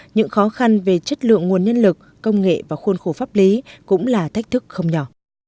những khó khăn về chất lượng nguồn nhân lực công nghệ và khuôn khổ pháp lý cũng là thách thức không nhỏ